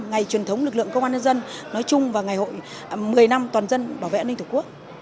ngày truyền thống lực lượng công an nhân dân nói chung và ngày hội một mươi năm toàn dân bảo vệ an ninh tổ quốc